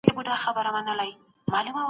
هغه به له ډېر پخوا څخه پر رښتينولۍ ولاړ وي.